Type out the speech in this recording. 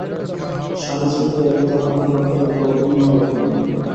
স্বামী-স্ত্রীর প্রেমও তাঁহার নিকট তত উন্মাদক নয়।